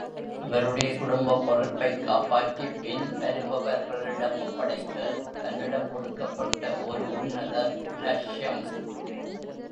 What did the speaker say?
அவருடைய குடும்பப் பொறுப்பைக் காப்பாற்றிப் பின்வருபவர்களிடம் ஒப்படைக்க, தன்னிடம் கொடுக்கப்பட்ட ஒரு உன்னத லஷ்யம்.